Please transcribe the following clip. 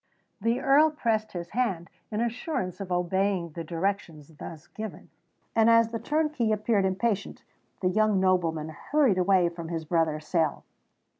The Earl pressed his hand in assurance of obeying the directions thus given; and, as the turnkey appeared impatient, the young nobleman hurried away from his brother's cell.